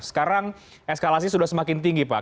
sekarang eskalasi sudah semakin tinggi pak